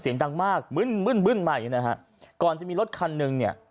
เสียงดังมากมึ้นมึ้นใหม่นะฮะก่อนจะมีรถคันหนึ่งเนี่ย